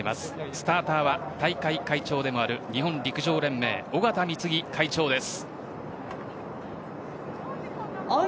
スターターは大会会長でもある日本陸上連盟、尾縣貢会長です。